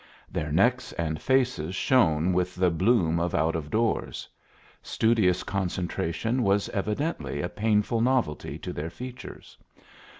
Their necks and faces shone with the bloom of out of doors. Studious concentration was evidently a painful novelty to their features.